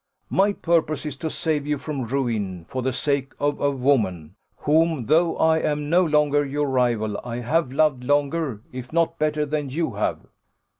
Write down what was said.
My purpose is to save you from ruin, for the sake of a woman, whom, though I am no longer your rival, I have loved longer, if not better, than you have."